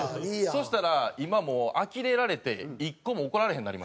そしたら今もうあきれられて１個も怒られへんなりました。